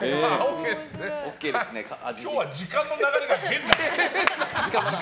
今日は時間の流れが変だよ。